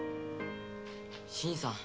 新さん。